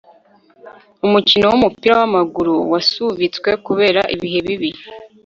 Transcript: umukino wumupira wamaguru wasubitswe kubera ibihe bibi